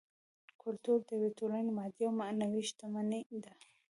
کولتور د یوې ټولنې مادي او معنوي شتمني ده